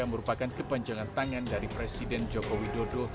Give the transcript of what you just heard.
merupakan kepanjangan tangan dari presiden jokowi dodo